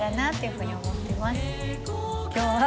今日は。